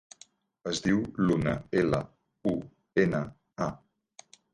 Es diu Luna: ela, u, ena, a.